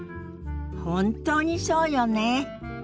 本当にそうよね。